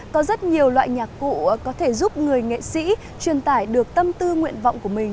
có rất nhiều loại nhạc cụ có thể giúp người nghệ sĩ truyền tải được tâm tư nguyện vọng của mình